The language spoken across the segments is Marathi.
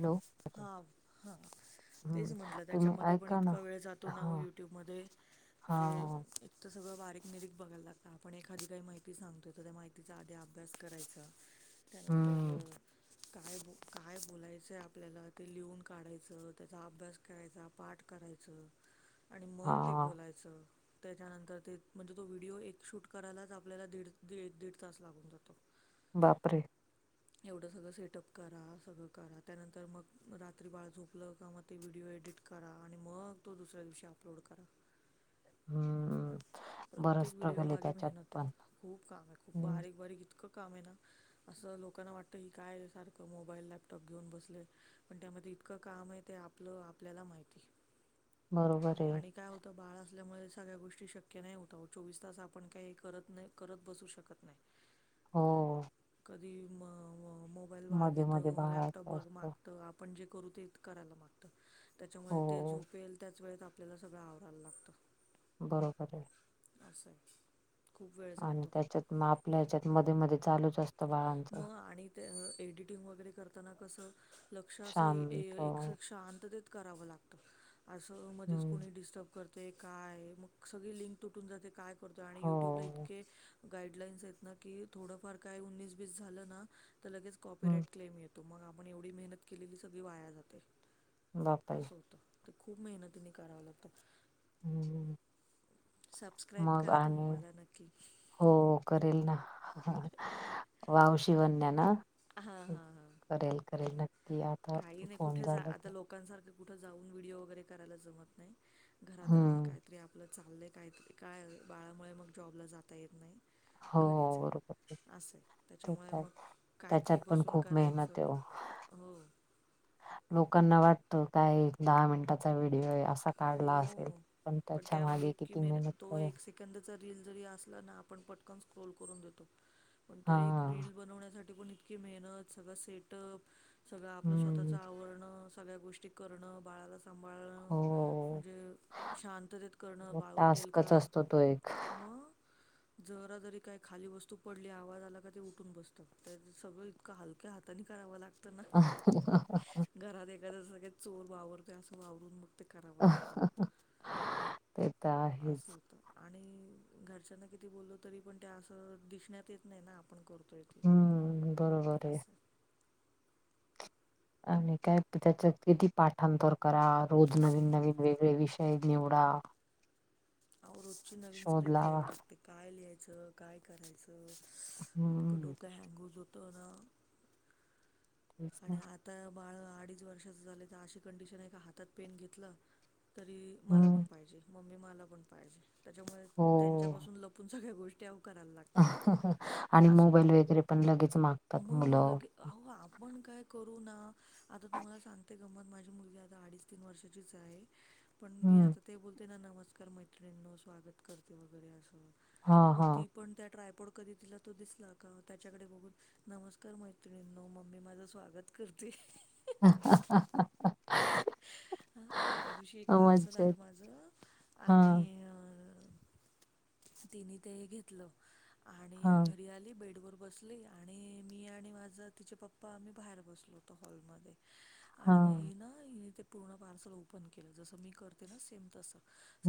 हॅलो हा हा तेच हम्म म्हंटलं तुम्ही त्याच्यामध्ये पण ऐका ना इतका वेळ जात तो नावो हा यूट्यूबमध्ये हा म्हणजे तर सगळं बारीक निरीक बघायला लागतं, आपण एखादी काही माहिती सांगतोय तर त्या माहितीचा आधी अभ्यास करायचा. त्यानंतर हम्म काय बो काय बोलायचं आहे आप- त्याला ते लिहून काढायचं, त्याचा अभ्यास करायचा, पाठ करायचं आणि मग हा ते बोलायचं. त्याच्यानंतर ते म्हणजे, तो व्हिडिओ एक शूट करायलाच आपल्याला दीड एक दीड तास लागून जातो. [inaudible] बापरे एवढं सगळं सेट-अप करा, सगळं करा, त्यानंतर तर मग रात्री बाळ झोपलं का, म ते व्हिडिओ एडिट करा आणि मग तो दुसऱ्या दिवशी अपलोड करा. हम्म [inaudible] बरच प्रत्येक व्हिडिओ स्ट्रगल आहे मागे त्याच्यात मेहनताय. पण खूप कामे, खूप हम्म बारीक बारीक इत् क कामे येना, असं लोकांना वाटतं ही काय सारखं मोबाईल लॅपटॉप घेऊन बसलेय पण त्यामध्ये इतकं काम आहे, ते आपलं आपल्याला माहिती. बरोबरे आणि काय होतं बाळ असल्यामुळे सगळ्या गोष्टी शक्य नाही होत अवो. चोवीस तास आपण काही करत नाही करत बसू शकत. नाही हो. कधी म म मोबाईल बाळ मध्ये मध्ये घेतं, मं लॅपटॉप बाळाचं बघ असतं माग तं आपण जे करू ते करायला मागतं, त्याच्यामुळे ते हो झोपेल त्याच वेळेत आप त्याचं सगळं आवरायला लागतं. बरोबरे. असंय आणि त्याच्यात मं आपल्या ह्याच्यात मध्ये मध्ये चालूच असत् मं आणि ते अं एडिटिंग वगैरे करताना कसं लक्ष असं ए शांत एक श शांततेत करावं लागतं. असं मधीच हम्म कोणी डिस्टर्ब करते काय मग सगळी लिंक तुटून जाते काय. आणी युट्युबला हो इतके गाईड लाईन्सेत न की थोडंफार काय उन्निस- बीस झालंना त लगेच हम्म कॉपीराईट क्लेम येत- तो मग आपण एवढी मेहनत केलेली सगळी वाया जाते बापरे असं होत. खूप मेहनतीनी करावं लागतं. हम्म सबस्क्राईब मग करा तुम्ही आणि मला नक्की. हो हो करेल न हं हं वाव शिवन्या न. हां हां हां करेल करेल नक्की आता फोन झाला की. कांसारख कुठं जाऊन व्हिडओ वगैरे करायला जमत नाही घरात राहून हम्म कायत्री आपलं. चाललंय कायतरी काय बाळामुळे मग जॉबला जाता येत नाई. हो हो घरीचे बरोबर असंय ते त्याच्यामुळे तर आहे. मग त्याच्यात काहीतरी पण बसून खूप मेहनत आहे करायचं. ओ हो. लोकांना वाटतं काय दहा मिनिटाचा व्हिडिओये असं. काढला असेल हो पण त्याच्या मागे किती मेहनत करे. कंदाचा रील जरी असला ना आपण पटकन स्क्रोल करून देतो पण तो हा एक. रील बनवण्यासाठी पण इतकी मेहनत सगळा सेटअप. सगळं आपलं स्वतःचं हम्म आवरणं सगळ्या गोष्टी करणं बाळाला सांभाळणं. हो म्हणजे शांततेत करणं मग बाळ उटेल का टास्कच असतो तो एक म- जरा जरी काही खाली वस्तू पडली आवाज आला का ते उठून बसतं त्या सगळी. का हलक्या हातानी कराव लागं- अ हं हं हं हं. घरात एखादा जसं काय चोर वावरतोय असं वावरून मग ते करावं लागतं आवं. तेे ताय. असं होतं. आणि घरच्यांना किती बोललो तरी पण त्या असं दिसण्यात येत नाही ना आपण करतोय. ते हम्म् बरोबर हे. असं आणि काय त्याच्यात किती पाठांतर करा रोज नवीन नवीन वेगळे विषय निवडा. अवो रोजची नवीन शोध स्क्रिप्ट लावा ल्यावी लागते काय लिहायचं काय करायचं. त ईतकं हम्म डोकं हँगच होतो ना. तेच ना आणि आता बाळ अडीच वर्षाच झालंय तर अशी कंडिशन आहे का हातात पेन घेतलं. तरी मला पण हम्म पायजे मम्मी मला पण पायजे त्याच्यामुळे त्यांच्यापासून लप- तुमच्या काई गोष्ट्याव- अं हं हं आणि मोबाईल होतं वगैरे पण लगेच मागतात मुलं. हो का. आपण काय करू ना आता तुम्हाला सांगते गमत माझी मुलगी आता अडीच तीन वर्षाचीच आहे. पण मी हम्म आता ते बोलते ना नमस्कार मैत्रिणी स्वागत करते वगैरे असं हा मग हा ती. पण त्या ट्रायपोड कधी दिला तो दिसला का त्याच्याकडे बघून नमस्कार मैत्रिणी नो मग. मी माझं स्वागत करते. ह...... हा त्या दिवशी एक पार्सल आलं माझ. हा आणि अ तिने ते घेतलं. आणि हा घरी आली बेडवर बसली. आणि मी आणि माझ तिचे पप्पा आम्ही बाहेर बसलो होत हॉलमध्ये. हा आणि मग ही ना हिने ते पूर्ण पार्सल ओपन केलं जसं मी करते ना सेम तसं.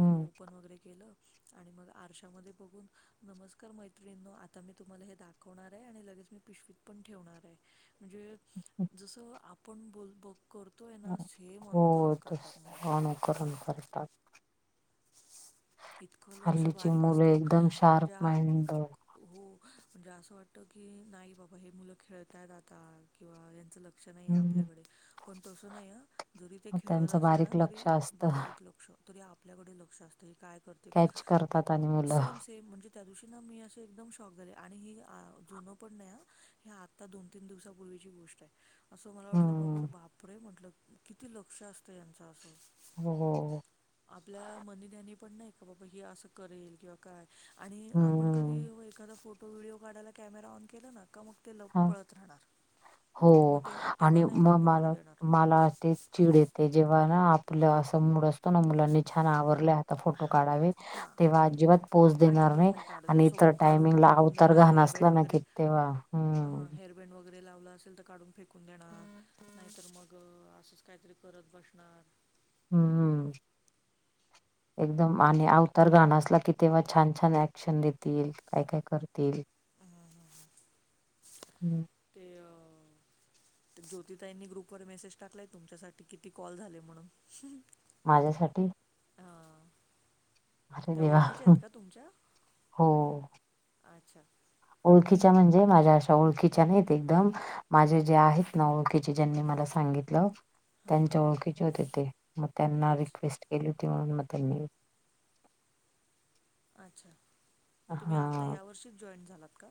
सगळं ओपन वगैरे केलं. आणि मग आरशामध्ये बघून नमस्कार, मैत्रिणीनो आता मी तुम्हाला हे दाखवणार आहे आणि लगेच, मी पिशवी. पण ठेवणार आहेत, जसं आपण बोलतो करतोय. ना सेम, अनुकरण करतात. मुलं. करून करतात. इतकं लक्ष हल्लीची बारीक मुलं असतं. एकदम शार्प म्हणजे? माइंड हो.. म्हणजे, असं वाटत की नाही बाबा. हे मुलं खेळताय आता किंवा यांचं लक्ष. लक्ष नाही हम्म आपल्याकडे पण, तसं नाही हा. जरी ते खेळत त्यांचं असले ना, बारीक तरी लक्ष असतं बारीक लक्ष तरी, आपल्याकडे लक्ष असत. क काय करत. कॅच करतात आणि मुलं सेम... सेम... म्हणजे? त्या दिवशी ना, मी असे एकदम शॉक झाले, आणि ही जुनं पण नाही हे. आ आता दोन, तीन, दिवसाांपूर्वीची गोष्ट आहे. असं मला वाटलं, बाबर हम्म बापरे! म्हटलं किती लक्ष असतं यांच. असं. हो.... आपल्या, मनी ध्यानी पण नाही का बाबा, हे असं करेल किंवा काय, आणि आपण क. हम्म एखादा फोटो व्हिडिओ काढायला कॅमेरा ऑन केला ना. का मग ते ल हा पळत राहणार. मग हो.. ते तेव्हा आणि नाही मग फोटो काढू मला, देणार मला ते चिड येत. ते जेव्हा ना आपलं असं मूड असतो ना, मुलांनी. छान आवरल्या फोटो हां काढावे, हां तेव्हा अजिबात पोज देणार अजिबात नाही. काढू दे आणि सगळं काढून टायमिंग ला आवतर घाणसला ना की, तेव्हा. हा... हम्म हेर बेण. वग. वगैरे लावलं असेल, तर काढून फेकून देणार. नाहीतर मग असंच काहीतरी करत बसणार. हम्मम.... [unintelligible] एकदम आणि अवतार गाणासला की, तेव्हा छान छान ऍक्शन देतील. काय काय करतील. हा... हा... हा... हम्म. ते... अ ज्योतिता यांनी ग्रुपवरर मेसेज टाकलाय. तुमच्यासाठी किती कॉल झाले, म्हणून माझ्यासाठी? हां अरे त्या, देवा ओळखीच्या आहेत का तुमच्या? हो अच्छा... ओळखीच्या म्हणजे? माझ्या अशा ओळखीच्या नाहीत एकदम. माझे जे आहेत ना, ओळखीचे ज्यांनी मला सांगितलं. हां हां त्यांच्या ओळखीचे होते. ते मग त्यांना अच्छा रिक्वेस्ट केली होती, म्हणून म त्यांनी. अच्छा... मग तुम्ही हा आता या वर्षीच जॉईट झालात का?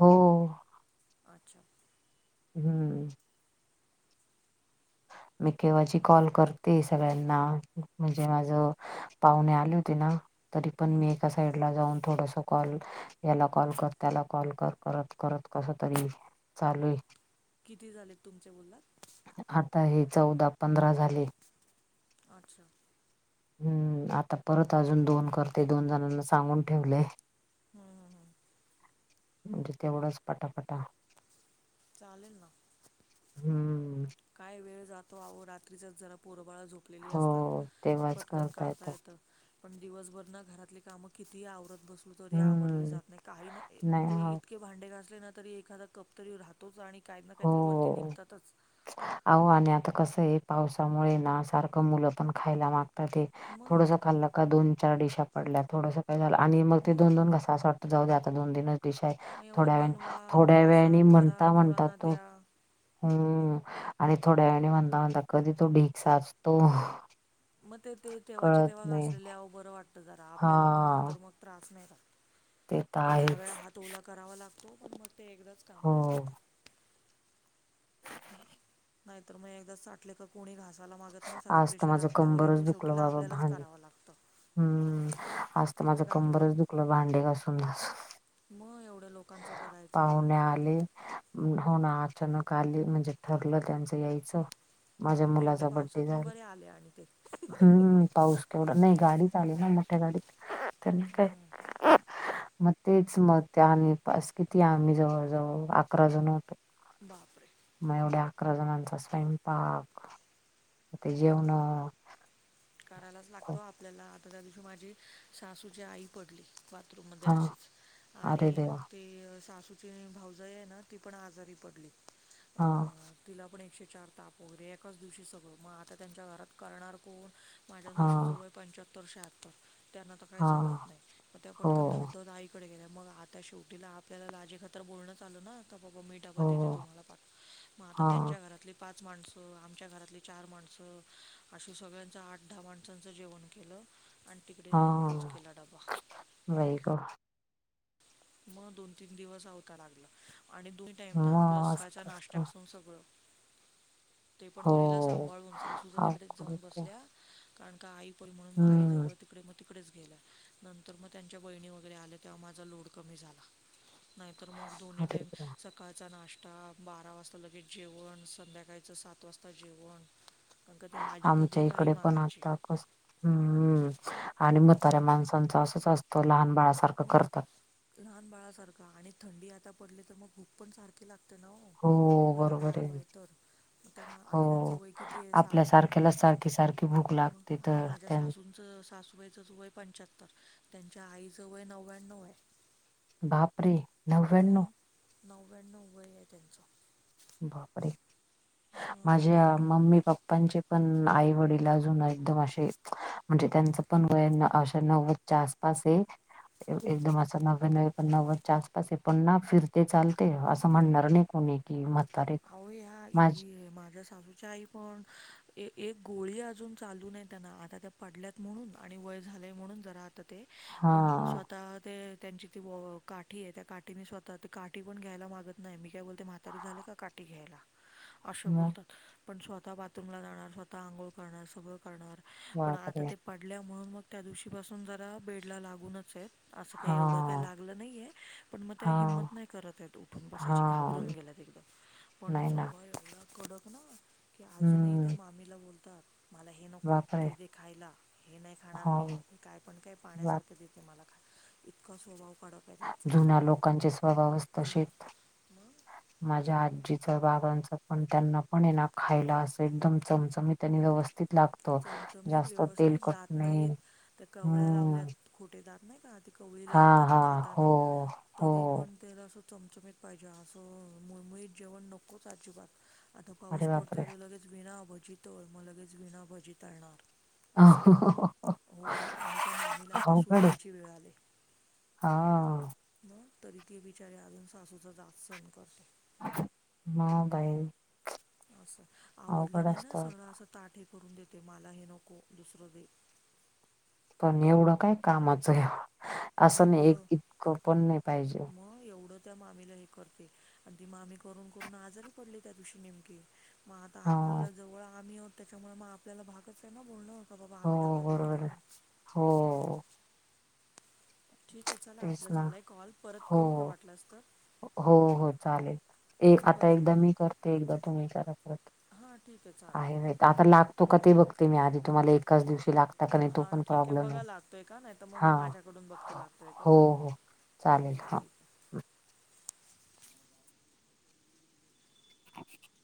हो.... अच्छा.... हम्म.... मी केव्हाची कॉल करते. सगळ्यांना, म्हणजे? माझ पाहुणे आले होते ना, तरी पण हं मी. साईड ला जाऊन थोडस, कॉल याला कॉल कर, त्याला कॉल कर करत, करत कस तरी. चालूय.... किती झालेत तुमच्या, बोलात. आता, हे चौदा, पंधरा झाले. अच्छा.... हम्म... आता परत अजून दोन करते. दोन जणांना सांगून ठेवलेय. हा... हा... हा म्हणजे तेवढाच पटापटा चालेल ना. हम्म काय वेळ जातो आहो रात्रीचाच जरा पोरबाळा झोप लेली असतात हो तेव्हाच पटकन करता काढता येत. पण दिवसभर ना घरातली कामं कितीही आवरत बसलो तरी आवरली हम्म जात नाही काही ना नाही म्हणजे आवडत. क भांडे घासले ना तरी एखादा कप तरी राहतोच आणि काही ना काहीतरी वरती निघतातच. आओ आणि आता कसं आहे पावसामुळे ना सारखं मुलं पण खायला मागत ते मग थोडसं खाल्लं का दोन चार डीशा पडल्या थोडसं काय झालं आणि मग ते दोन दोन घास आस वाटत जाऊ दे आता दोनतीनच डीश आहे. मग एवढं थोड्या वेळाने बनवा थोड्या घासा वेळाने करा म्हणता म्हणता पोरना तो द्या. हम्म आणि थोड्या वेळाने म्हणता म्हणता कधी तो ढीग साचतो. मग ते ते तेव्हाच्या तेव्हा घासलेले आवो बरं वाटतं जरा आपल्याला पण हा नंतर मग त्रास नाही तर होत ते दहा आहेच वेळा हात ओला करावा लागतो पण मग ते एकदाच कामं होतात. हो. नाहीत तर मग एकदाच साठले का कोणी घास ला मागत नाही सगळं आज तर प्रेशर माझं आपल्यावर येतो कंबरच दुखलं शेवटीला बाबा आपल्यालाच भांडी करावं लागतं. हम्म आजत एक तर माझं गारव्या कंबरच दुखलं भांडे घासून घासून. तेवढ्या लोकांचं करायचं. पाहुणे आले होन अचानक आले म्हणजे ठरलं त्यांचं यायचं. माझ्या बापरे एवढ्या मुलाचा बड्डे पावसातून झाला बरे आले आणि ते. हम्म पाऊस केवढा नाही गाडीत आले ना मोठ्या गाडीत. त्यांना काय म तेच मग ते आणि पास किती आम्ही जवळजवळ अकरा जण होतो. बापरे. मग एवढ्या अकरा जणांचा स्वयंपाक. ते जेऊण करायलाच लागतो ओ आपल्याला आता त्या दिवशी माझी सासूची आई पडली. बाथरूममध्ये हा अशीच अरे आणि मग देवा ते सासूची भाऊजाई आहे ना ती पण आजारी पडली. हा तिला पण एकशे चार ताप वगैरे एकाच दिवशी सगळं मग आता त्यांच्या घरात करणार कोण. माझ्या हा सासूचं वय पंच्याहत्तर शहात्तर त्यांना तर काही हा जमत नाही मग त्या हो पटकन धावधवत आईक डे गेल्या मग आता शेवटीला आपल्याला लाजे खातर बोलणं चालू ना आता बाबा मी डबा हो देते तुम्हाला, मग आता हा त्यांच्या घरातले पाच माणसं आमच्या घरातली चार माणसं अशे सगळ आठ दहा माणसांचं जेवण केलं आणि तिकडे नेऊन पोच केला डबा. वई गो मग दोन तीन दिवस आवता लागला आणि दोन टेमन आपलं मग सहाच्या असत असत नाशत्या पासून सगळं. ते पण हो पोरीला सांभाळून सासूच्या तिकडेच अवघड जाऊन होत बसल्या कारण का आई म्हणून म आई हम्म जवळ तिकडे मग तिकडेच गेल्या नंतर मग त्यांच्या बहिणी वगैरे आल्या तेव्हा माझा लोड कमी झाला नाहीतर मग दोन्ही अरे टाईम देवा. स सकाळचा नाश्ता बारा वाजता लगेच जेवण संध्याकाळचं सात वाजता जेवण. पण कधी आजी कधी आमच्या काही इकडे पण मागायचे. आता कस हम्म आणि म्हताऱ्या माणसांचं असंच असतं लहान बाळा मग लहान बाळासारखा आणि थंडी आता पडली तर मग भूप पण सारखी लागते ना हो जरा बरोबर गारवा आहे तर, मग त्यांना आणि त्यांच हो वय किती आपल्या सारख्याला सारखी सारखी भूक मग लागते आता तर माझ्या त्यां सासूनं- सासूबाईचं ज वय पंच्याहत्तर त्यांच्या आईच वय नव्याण्णव आहे. बापरे नव्याण्णव. नव्याण्णव्व वरी आहे त्यांचं. बापरे मग त्या माझ्या मम्मी पप्पा- त्याचे पण आईवडील अजून एकदम असे- म्हणजे त्यांचं पण वया अशा नव्वदच्या आसपास आहे. एकदम असं नव्वाणव पण नव्वद. आसपास आहे पण ना फिरते चालते असं म्हणणार नाही कोणी कि म- अहो या माझ्या सासूच्या आई- पण एक गोळी अजून चालू नाही त्यांना आता त्या पडल्यात म्हणून आणि वय झालंय म्हणून जरा. ते हा पण स्वतः ते त्यांची ती व काठी आहे. त्या काठीने स्वतः काठी पण घ्यायला मागत नाही मी काय बोलते म्हातारी झालं का काठी- घ्यायला असे मग बोलतात. पण स्वतः बाथरूमला जाणार स्वतः आंघोळ करणार सगळं करणार पण आता बापरे ते, पडल्या म्हणून मग त्या दिवशी पाासून जरा बेड ला लागूनच आहेत. असं हा काही एवढं काय लागलं नाही आहे, पण मग त्या हा हिंमत नाही करत आहेत उठून हा बसायची घाबरून गेल्यात एकदम- पण नाही ना स्वभाव एवढा कडक ना की अजूनही त्या हम्म मामीला बोलतात. मला हे नको बापरे ते तेे खायला हे नाही खाणार हो मी ते काय पण काय बाप पाण्यासारखं देते मला खा- इतका स्वभाव कडक. आहे त्यांचा जुन्या लोकांचे स्वभाव च जुना तशेच. मग माझ्या आजीच बाबांच पण त्यांना पण ना खायला असं एकदम चमचम- त्यांनी व्यवस्थित लाग- चमचमीत व्यवस्थित दात नाहीत त्या कवळ्या हम्म लावल्यात. खोटेदात नाही का ती कवळी हा लावतात हा हो खाताना हो तरी पण, तेल असं चमचमीत पाहिजे असं, मुळ मुळीत जेवण नकोच अजिबात. आता पाऊस अरे बापरे पडतोय तर लगेच विणा भजी तळ मग लगेच विणाभजी तळणार. असंय अवघड हो आणि त्या मामीला आता सून आहे यायची वेळ आली. हा मग तरी ती बिचारी अजून सासूचा जाच सहण करते. हा बाई असं आवडलं अवघड नाही ना असतं सगळं असं ताठे हे करून देतो. ते मलाही नको दुसरं दे पण एवढं काय कामाचं आहे असं नाही एक एवढं इतकं पण नाही पाहिजे. मग एवढं त्या मामीला हे करते आणि ती मामी करून करून आजारी पडले त्या दिवशी नेमकीे. मग आता हा आपल्याला जवळ आम्ही आहोत, त्याच्यामुळे मग आपल्याला भागत आहे ना बोलणं. ह बाबा हो आम्ही डाब्बा देतो बरोबर आहे म्हणून, हो ठीक आहे चला तेच आपलं ना झालाय कॉल. परत हो करू का वाटलास तर? हो हो चालेल एक आता परत एकदा मी करते एकदा तुम्ही करा. हा ठीक चालेल. आहे माहित आता लागतो का ते बघते मी आधी तुम्हाला एकाच दिवशी लागतो. हा ठीक आहे बघा लागतोय का, नाही तर मग हा मी माझ्याकडून बघते लागतोय का? हो हो हा हा ठीक आहे. ह [unintelligible]